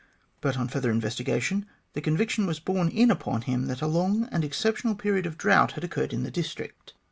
But on further investigation, the conviction was borne in upon him that a long and exceptional period of drought had occurred in the district.